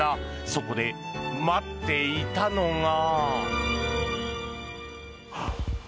そこで待っていたのが。